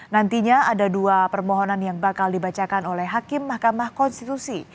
nantinya ada dua permohonan yang bakal dibacakan oleh hakim mahkamah konstitusi